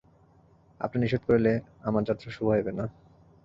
আপনি নিষেধ করিলে আমার যাত্রা শুভ হইবে না।